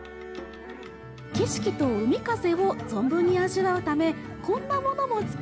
景色と海風を存分に味わうためこんなものも作りました。